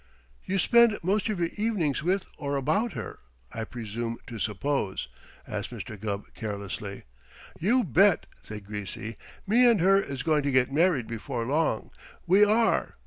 "You spend most of your evenings with or about her, I presume to suppose?" asked Mr. Gubb carelessly. "You bet!" said Greasy. "Me and her is going to get married before long, we are.